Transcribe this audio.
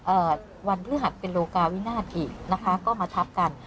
เอ่อวันพฤหัสเป็นโลกาวินาศอีกนะคะก็มาทับกัน